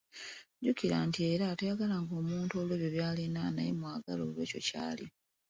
Jjukira nti era toyagalanga muntu olw'ebyo byalina naye mwagale olw'ekyo kyali.